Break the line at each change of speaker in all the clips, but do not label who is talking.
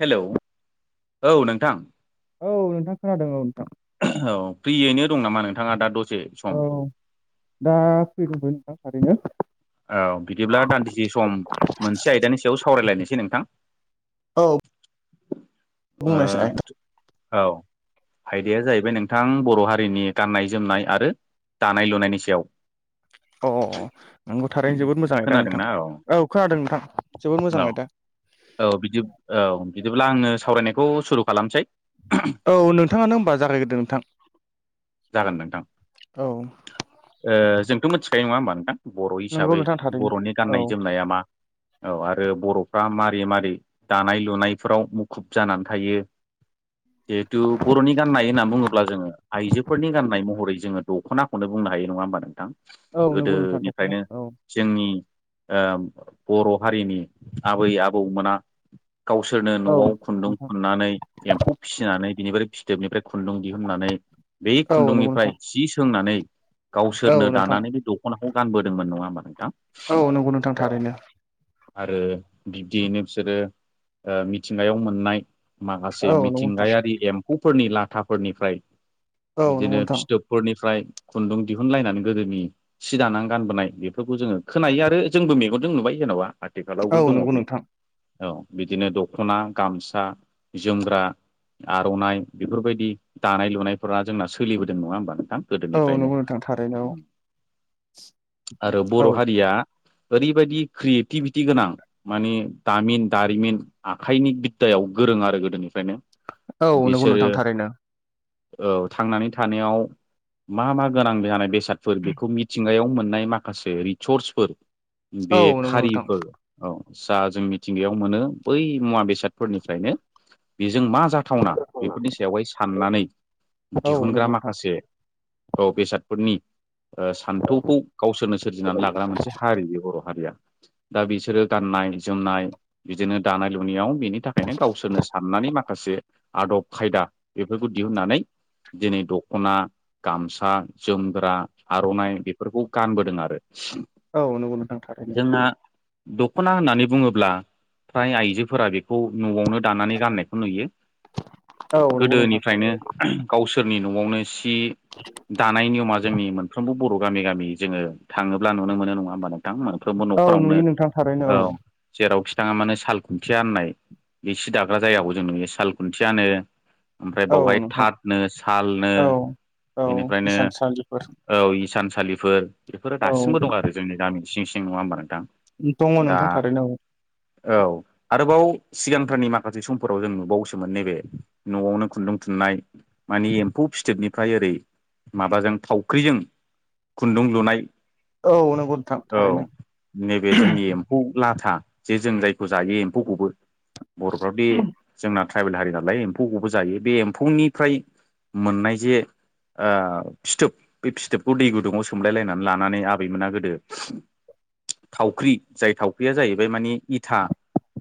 hello औ नोंथां
औ नोंथां खोनादों औ नोंथां
औ फ्रियैनो दं नामा नोंथाङा दा दसे
औ
सम
दा फ्रि दंथ'यो नोंथां थारैनो
औ बिदिब्ला दान्दिसे सम मोनसे आयदानि सायाव सावरायलायनोसै नोंथां
औ
ओ
बुंनायसाय
औ आयदाया जाहैबाय नोंथां बर' हारिनि गाननाय जोमनाय आरो दानाय लुनायनि सायाव
औ औ नंगौ थारैनो जोबोद मोजाङै दा नोंथां औ खोनादों नोंथां जोबोद मोजां
औ
आयदा
औ बिदि औ बिदिब्ला आङो सावरायनायखौ सुरु खालामसै
औ नोंथाङानो होमबा जागायग्रोदो नोंथां
जागोन नोंथां
औ
ओ जोंथ' मिथिखायो नङा होमबा नोंथां बर'
नोंगौ
हिसाबै
नोंथां थारैनो
बर'नि
औ
गाननाय जोमनाया मा औ आरो बर'फ्रा मारै मारै दानाय लुनायफोराव मुखुब जानानै थायो जिहेथु बर'नि गाननाय होननानै बुङोब्ला जोङो आइजो नाय महरै जोङो दख'नाखौनो बुंनो हायो नङा होमबा नोंथां
औ नंगौ नोंथां दख'ना
गोदोनिफ्रायनो
औ
जोंनि ओ बर' हारिनि आबै आबौमोना गावसोरनो
औ
न'आव खुन्दुं
नोंथां
थुननानै एम्फौ फिसिनानै बिनिफ्राय फिथोबनिफ्राय खुन्दुं दिहुननानै बै
औ नंगौ
खुन्दुंनिफ्राय
नोंथां
जि सोंनानै
औ
गावसोरनो
नोंथां
दानानै द खनाखौ गानबोदोंमोन नङा होमबा नोंथां
औ नंगौ नोंथां थारैनो
आरो बिब्दियैनो बिसोरो मिथिंगायाव मोननाय माखासे
औ नंगौ नोंथां
मिथिंगायारि एम्फौफोरनि लाथाफोरनिफ्राय
औ नंगौ
बिदिनो
नोंथां
फिथोबफोरनिफ्राय खुन्दुं दिहुनलायनानै गोदोनि सि दानानै गानबोनाय बेफोरखौ जोङो खोनायो आरो जोंबो मेगनजों नुबाय जेन'बा
औ
आथिखालावबो दङ
नंगौ
बे
नोंथां
औ बिदिनो दख'ना गामसा जोमग्रा आर'नाइ बेफोरबायदि दानाय लुनायफोरा जोंना सोलिबोदों नङा होमबा नोंथां
औ
गोदोनिफ्रायनो
नंगौ नोंथां थारैनो
आरो
औ
बर' हारिया ओरैबायदि क्रियेटिभिटि गोनां मानि दामिन दारिमिन आखाइनि बिद्दायाव गोरों आरो गोदोनिफ्रायनो
औ नंगौ नोंथां
बिसोरो
थारैनो
औ थांनानै थानायाव मा मा गोनां जानाय बेस सादफोर बेखौ मिथिंगायाव मोननाय माखासे रिसर्सफोर बे
औ नंगौ नोंथां
खारिफोर औ सा जों मिथिंगायाव मोनो बै मुवा बेसादफोरनिफ्रायनो बेजों मा जा थावना बेफोरनि सायावहाय साननानै
औ
दिहुनग्रा
नंगौ नोंथां
माखासे औ बेसादफोरनि ओ सान्थौखौ गावसोरनो सोरजिनानै लाग्रा मोनसे हारि बे बर' हारिया दा बिसोरो गाननाय जोमनाय बिदिनो दानाय लुनायाव बिनि थाखायनो गावसोरनो साननानै मा खासे आदब खायदा बेफोरखौ दिहुननानै दिनै दख'ना गामसा जोमग्रा आर'नाइ बेफोरखौ गानबोदों आरो
औ नंगौ नोंथां थारैनो
जोंना दख'ना होननानै बुङोब्ला फ्राय आइजोफोरा बेखौ न'आवनो दानानै गाननायखौ नुयो
औ नंगौ नोंथां
गोदोनिफ्रायनो गावसोरनि न'आवनो सि सि दानाय नियमा जोंनि मोनफ्रोमबो बर' गामि गामि जोङो थाङोब्ला नुनो मोनो नङा होमबा नो नोंथां मोनफ्रोमबो
औ
न'खरावनो
नुयो नोंथां थारैनो
औ जेराव बिथाङा माने साल खुन्थिया होननाय बे सि दाग्रा जायगायावखौ जों नुयो साल खुन्थियानो ओमफ्राय
औ
बावहाय
नोंथां
थाथनो सालनो
औ औ
बेनिफ्रायनो
इसानसालिफोर
औ इसानसालिफोर बेफोरो
औ
दासिमबो दं आरो जोंनि गामिनि सिं सिं नङा होमबा नोंथां
दङ
दा
नोंथां थारैनो औ
औ आरोबाव सिगांफ्रानि माखासे समफोराव जों नुबावोसोमोन नैबे न'आवनो खुन्दुं थुननाय माने एम्फौ फिथोबनिफ्राय ओरै माबाजों थावख्रिजों खुन्दुं लुनाय
औ औ नंगौ नोंथां
औ
थारैनो
नैबे जोंनि एमफौ लाथा जे जों जायखौ जायो एम्फौखौबो बर'फ्राव बे जोंना ट्राइबेल हारि नालाय एम्फौखौबो जायो बे एम्फौनिफ्राय मोननाय जे ओ फिथोब बे फिथोबखौ दै गुदुङाव सोमलायलायनानै लानानै आबैमोना गोदो थावख्रि जाय थावख्रिया जाहैबाय मानि इथा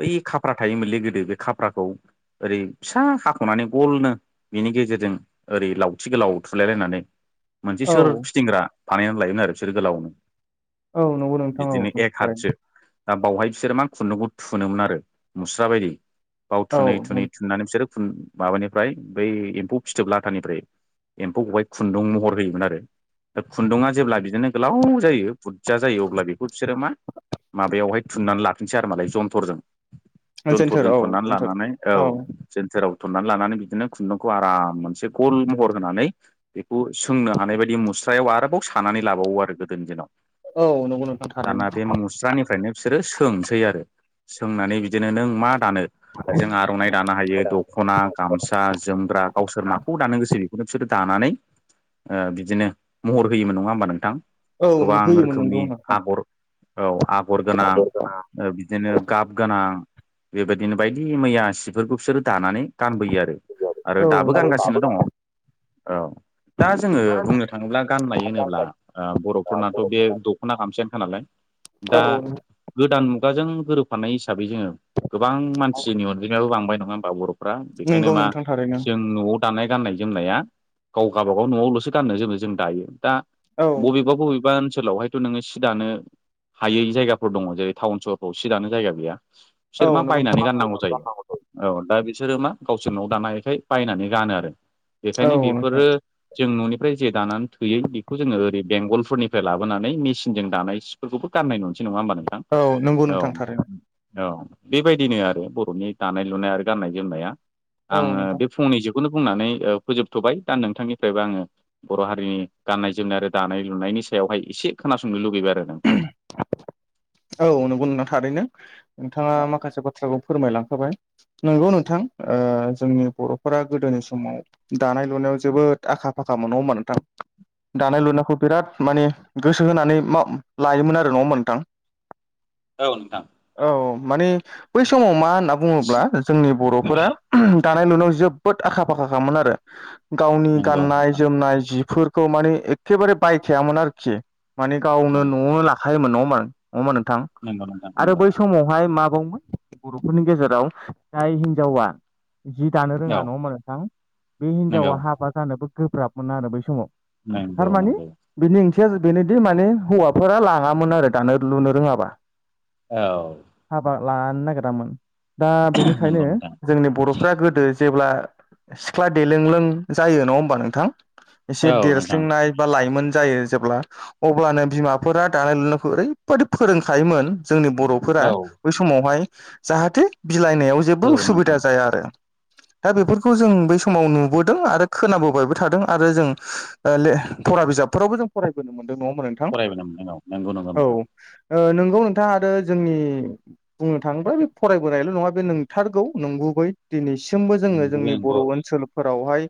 बै खाफ्रा थायोमोनलै गोदो बे खाफ्राखौ ओरै फिसा हाख'नानै गलनो बिनि गेजेरजों ओरै लावथि गोलाव थुलायलायनानै मोनसे
औ
सोर फिदिंग्रा बानायनानै लायोमोन आरो बिसोरो गोलावनो
औ नंगौ नोंथां
बिदिनो
औ
एक हाथसो
थारैनो
दा बावहाय बिसोरो मा खुन्दुंखौ थुनोमोन आरो मुस्रा बायदि बाव थुनै थुनै
औ
थुननानै बिसोरो थुन माबानिफ्राय बै एम्फौ फिथोब्ला लाथानिफ्राय एम्फौखौहाय खुन्दुं महर होयोमोन आरो खुन्दुङा जेब्ला बिदिनो गोलाव जायो बुरजा जायो अब्ला बेखौ बिसोरो मा माबायावहाय थुननानै लाफिनसै आरो मालाय जन्थरजों
सेन्टार
जन्थरजों
औ
थननानै
सेन्टार
लानानै औ जेन्थेराव थननानै लानानै बिदिनो खुन्दुंखौ आराम मोनसे गल महर होनानै बेखौ सोंनो हानाय बायदि मुस्रायाव आरोबाव सानानै लाबावो आरो गोदोनि दिनाव
औ नंगौ नोंथां
गाना
थारैनो
बे मुस्रानिफ्रायनो बिसोरो सोंसै आरो सोंनानै बिदिनो नों मा दानो बेजों आर'नाइ दानो हायो द स'ना गामसा जोमग्रा गावसोर माखौ दानो गोसो बेखौनो बिसोरो दानानै बिदिनो महर होयोमोन नङा होमबा नोंथां
औ
गोबां
होयोमोन नंगौ
रोखोमनि
नोंथां
आगर औ आगर गोनां बिदिनो गाब गोनां बेबायदिनो बायदि मैया सिफोरखौ बिसोरो दानानै गानबोयो आरो आरो
औ
दाबो
नंगौ
गानगासिनो दङ
नोंथां
औ दा जोङो बुंनो थाङोब्ला गाननाय होनोब्ला बर'फोरनाथ' बे दख'ना गामसायानोखा नालाय
औ
दा गोदान मुगाजों गोरोबफानाय हिसाबै जोङो गोबां मानसिनि अनजिमायाबो लांबाय नङा होमबा बर'फ्रा बेखायनो
नंगौ
मा
नोंथां थारैनो
जों न'आव दानाय गाननाय जोमनाया गाव गावाबागाव न'आवल'सो गाननो जोमनो जों दायो दा
औ
बबेबा बबेबा ओनसोलावहाय थ' नोङो सि दानो हायै जायगाफोर दङ जेरै टाउन सहरफ्राव सि दानो जायगा गैया बिसोर
औ
मा
नंगौ
बायनानै
नोंथां
गाननांगौ जायो औ दा बिसोरो मा गावसोर न'आव दानायखाय बायनानै गानो आरो बेखायनो
औ नोंथां
बेफोरो जों न'निफ्राय जे दानानै थोयै बेखौ जोङो ओरै बेंगलफोरनिफ्राय लाबोनानै मेसिनजों दानाय फोरखौबो गाननाय नुनोसै नङा होमबा नोंथां
औ नंगौ
औ
नोंथां थारैनो
औ बेबायदिनो आरो बर'नि दानाय लुनाय आरो गाननाय जोमनाया
औ
आङो
नोंथां
बे फंनैसोखौनो बुंनानै फोजोबथ'बाय दा नोंथांनिफ्रायबो आङो बर' हारिनि गाननाय जोमनाय आरो दानाय लुनायनि सायावहाय एसे खोनासंनो लुगैबाय आरो नोंथां
औ नंगौ नोंथां थारैनो नोंथांङा माखासे बा बाथ्राखौ फोरमायलांखाबाय नंगौ नोंथां जोंनि बर'फोरा गोदोनि समाव दानाय लुनायाव जोबोद आखा फाखा मोनो नंङा होमबा नोंथां दानाय लुनायखौ बिराद माने गोसो होनानै लायोमोन आरो नंङामोन नोंथां
औ नोंथां
औ माने बै समाव मा होनना बुंङोब्ला जोंनि बर'फोरा दानाय लुनायाव जोबोद आखा फाखाखामोन आरो गावनि
नंगौ
गाननाय
नोंथां
जोमनाय जिफोर खौ माने एखेबारे बायखायामोन आरोखि माने गावनो
नंगौ
न'आवनो लाखायोमोन न' मानो नंङा होनबा नोंथां
नंगौ नोंथां
आरो
नंगौ
बै समावहाय माबावोन बर'फोरनि गेजेराव जाय हिनजावा जि दानो रोंङा
औ
नंङा होनबा नोंथां बे
नंगौ
हिनजावा हाबा जानोबो गोब्राबमोन आरो बै समाव
नंगौ
थारमाने
नंगौ
बिनि ओंथिया बेनोदि माने हौवाफोरा लाङामोन आरो दानो लुनो रोंङाबा
औ
हाबा लानो नागिरामोन दा बेनिखायनो
नंगौ नोंथां
जोंनि बर'फ्रा गोदो जेब्ला सिख्ला देलों लों जायो नंङा होमबा नोंथां एसे
औ नोंथां
देरस्लिंनाय बा लाइमोन जायो जेब्ला अब्लानो बिमाफोरा दानाय लुनायखौ ओरै बेबादि फोरोंखायोमोन जोंनि बर'फोरा
औ
बै समावहाय जाहाथे बिलाइनायाव जेबो
औ नोंथां
उसुबिदा जाया आरो
[inaudible]
दा बेफोरखौ जों बै समाव नुबोदों आरो खोनाबोबायबो थादों आरो जों फरा बिजाबफोरावबो जों फरायबोनो मोनदों नंङा होनबा नोंथां
फरायबोनो मोनदों नगौ नंगौ नोंथां
ओ‌ नोंगौ नोंथांङा आरो जोंनि बुंनो थांङोब्ला बे फरायबोनायल' नंङा बे नोंथारगौ नंगुबै दिनैसिमबो जोंङो
नंगौबै
जोंनि बर'
नंगौ
ओनसोल फोरावहाय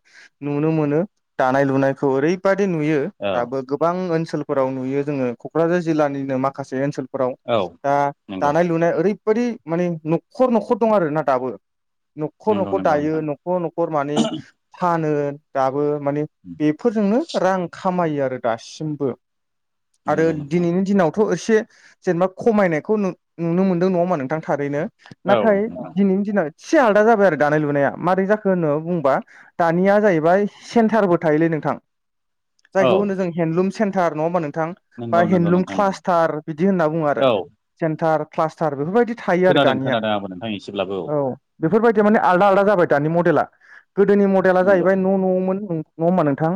नुनो मोनो दानाय लुनायखौ ओरैबादि नुयो
औ
दाबो गोबां ओनसोलफोराव नुयो जोंङो क'क्राझार जिल्लानिनो माखासे ओनसोल फोराव
औ
दा
नंगौ
दानाय लुनाय ओरैबायदि माने न'खर न'खर दं आरोना दाबो न'खर
नंगौ
न'खर
नंगौ
दायो
नोंथां
न'खर न'खर माने फानो दाबो माने बेफोरजोंनो रां खामायो आरो दासिमबो आरो
नंगौ नोंथां
दिनैनि दिनाव थ' एसे जेनेबा खमायनायखौ नुनो मोनदों नंङा होमबा नोंथां थारैनो
औ
नाथाय
नोंथां
दिनैनि दिनाव एसे आलादा जाबाय आरो दानाय लुनाया मारै जाखो होनो बुंबा दानिया जाहैबाय सेन्टारबो थायोलै नोंथां
औ
जायखौ होनो जों हन्दडलुम सेन्टार नंङा होमबा नोंथां
नंगौ नंगौ नोंथां नोंथां
थार बिदि होनना बुंङो आरो जेन्टार प्लास्टार बेफोरबायदि थायो आरो
खोनादों
दानिया
खोनादों आंबो नोंथां एसेब्लाबो
औ बेफोरबायदि माने आलदा आलदा जाबाय दानि मडेला गोदोनि मडेला
नंगौ
जाहैबाय न' न'मोन नंङा होनबा नोंथां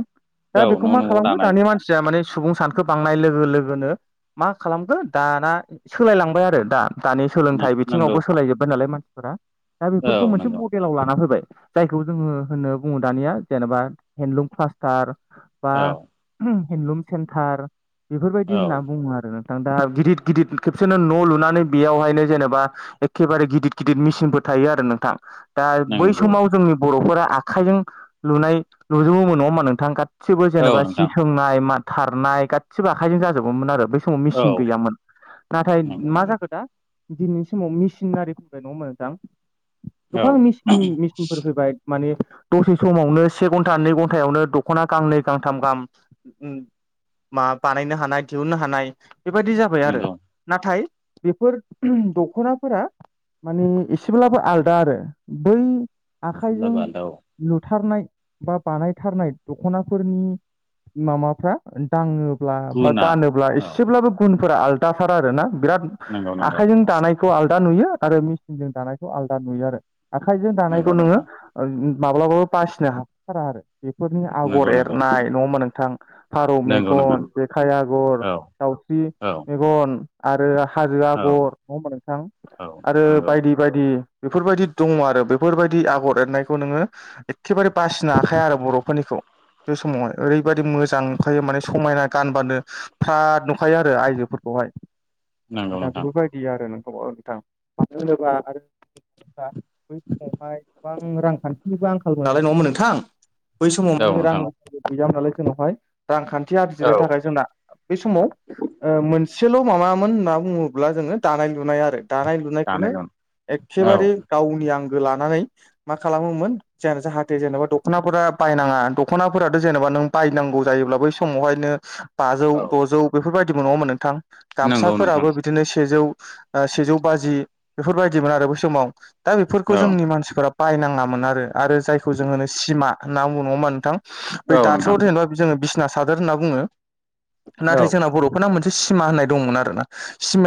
दा
औ
बेखौ
न'
मा
न'आव
खालामो
दानाय
दानि मानसिया माने सुबुं सानखो बांनाय लोगो लोगोनो मा खालामखो दाना सोलायलांबाय आरो दा दानि
सान
सोलोंथाइ
नंगौ
बिथिंङावबो सोलायजोब्बाय नालाय मान दा
औ
बेफोरखौ मोनसे
नंगौ
म लाव लाना फैबाय जायखौ जोङो होनो बुंङो दानिया जेनेबा हेन्दलुम क्लास्टार बा
औ
हेन्दन्दलुम सेन्टार बेफोरबायदि
औ
होनना बुंङो आरो नोंथां दा गिदिर गिदिर खेबसेनो न' लुनानै बेयावहायनो जेनेबा एखेबारे गिदिर गिदिर मेसिनफोर थायो आरो नोंथां दा बै
नंगौ
समाव जोंनि बर'फोरा आखाइजों लुनाय लुजोबोमोन नंङा होमा नोंथां गासिबो
औ
जेनेबा सि
नोंथां
सोंनाय मा थारनाय गासिबो आखाइजों जाजोबोमोन आरो बे समाव
औ
मेसिन गैयामोन नाथाय
नंगौ
मा
नंगौ
जाखो दा दिनैनि समाव मेसिनारि फैबाय नङा ओमबा नोंथां
औ
गोबां मेसिननि मेसिनफोर फैबाय मानि दसे समावनो से घन्टा नै घन्टायावनो दख'ना गांनै गांथाम गाहाम मा बानायनो हानाय दिहुननो हानाय बेबायाददि जाबाय आरो
नंगौ
नाथाय बेफोर दख'नाफोरा माने एसेब्लाबो आलादा आरो बै आखाइजों
एसेब्लाबो आलदा औ
लुथारनाय बा बानायथारनाय दख'नाफोरनि माबाफ्रा दाङोब्ला बा
गुना
गानोब्ला
औ
एसेब्लाबो गुनफोरा आलदाथार आरोना बिराद
नंगौ नंगौ
आखाइजों दानायखौ आलदा नुयो आरो मेसिनजों दानायखौ आलदा नुयो आरो आखाइजों
नंगौ
दानायखौ नोङो
नोंथां
माब्लाबाबो बासिनो हाखाथारा आरो बेफोरनि
नंगौ
आगर
नंगौ
एरनाय नङा होमबा नोंथां फारौ
नंगौ नोंथां
मेगन जेखाइ आगर
औ
दाउस्रि
औ
मेगन आरो हाजो
औ
आगर नङा होमबा नोंथां
औ
आरो
नंगौ
बायदि बेबायदि बेफोरबायदि दङ आरो बेफोरबायदि आगर एरनायखौ नोङो एखेबारे बासिनो हाखाया आरो बर'फोरनिखौ बे समावहाय ओरैबादि मोजां नुंखायो माने समायना गानबानो फ्राद नुखायो आरो आइजोफोरखौहाय
नंगौ
दा
नोंथां
बेफोर बाय दि आरो नोंथां नोंथां मानो होनोबा आरो [unintelligible] बै समावहाय गोबां रांखान्थिनिबो आंखाल मोनलाय नङा ओमबा नोंथां बै समाव
औ
मानि रां
नोंथां
गैयामोन नालाय उनावहाय रांखान्थि आरजिरनो
औ
थाखाय जोंना बे समाव मोनसेल' माबामोन होनना बुङोब्ला जोङो दानाय लुनाय आरो दानाय लु लुनायखौनो
दानाय लुनाय औ
एखेबारे गावनि आंगो लानानै मा खालामोमोन ज जाहाथे जेनेबा दख'नाफोरा बायनाङा दख'नाफोराथ' जेनेबा नों बायनांगौ जायोब्ला बै समावहायनो बाजौ
औ
द'जौ बेफोरबायदिबो नङामोन नोंथां
नंगौ नोंथां
गामसाफोराबो बिदिनो सेजौ सेजौ बाजि बेफोरबायदिमोन आरो बै समाव दा बेफोरखौ
औ
जोंनि मानसिफोरा बायनाङामोन आरो आरो जायखौ जों होनो सिमा होनना बुङो नङा होमबा नोंथां बै
औ
दाआव
नोंथां
जेनेबा [unintelligible] जोङो बिसना सादोर होनना बुङो
औ
नाथाय जोंना बर'फोरना मोनसे सिमा होननाय दंमोन आरोना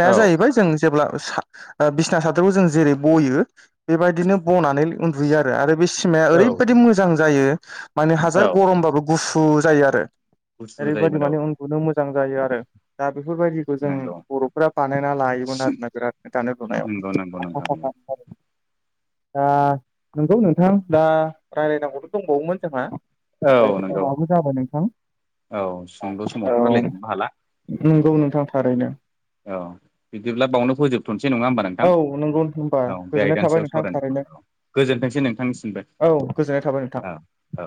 औ
जाहैबाय जों जेब्ला बिसना सादोरखौ जों जेरै बयो बेबायदिनो बनानै उन्दुयो आरो बे सिमाया
औ
ओरैबायदि मोजां जायो माने
औ
हाजार गरमबाबो गुसु जायो आरो
गुसु
बेफोरबायदि
जायोमोन औ
माने उन्दुनो मोजां जायो आरो दा बेफोरबायदि खौ जों
नंगौ
बर'फोरा बानायना लायोमोन आरोना बिराद दानाय
नंगौ नंगौ नोंथां
लुनायाव
नंगौ [inaudible]
दा नंगौ नोंथां दा रायलायनांगौथ' दंबावोमोन जोंहा नाथाय
औ नंगौ
समाबो जाबाय नोंथां
औ सुंद'
औ
समावथ' रायलायजोबनो हाला
नंगौ नोंथां थारैनो
औ बिदिब्ला बावनो फोजोबथ'नोसै नङा होमबा नोंथां
औ नंगौ होनबा
औ बे
गोजोननाय
आइदानि
थाबाय
सायाव
नोंथां थारैनो
सावरायनाय गोजोनथोंसै नोंथांनि सिमबो औ
गोजोननाय थाबाय नोंथां
औ औ